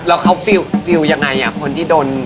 แล้วเค้าฟิวยังไงอ่ะคนที่โดน